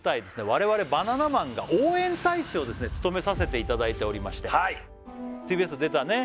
我々バナナマンが応援大使を務めさせていただいておりましてはいＴＢＳを出たね